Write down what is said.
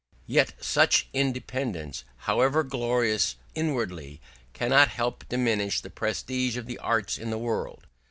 Yet such independence, however glorious inwardly, cannot help diminishing the prestige of the arts in the world.